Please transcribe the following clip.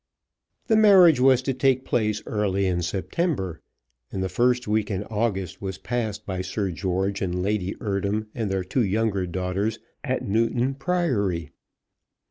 The marriage was to take place early in September, and the first week in August was passed by Sir George and Lady Eardham and their two younger daughters at Newton Priory.